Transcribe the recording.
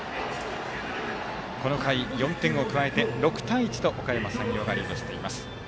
この回、４点を加えて６対１と、おかやま山陽がリードしています。